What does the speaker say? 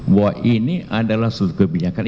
bahwa ini adalah kebijakan